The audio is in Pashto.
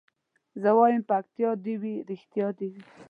زه وايم پکتيا دي وي رښتيا دي وي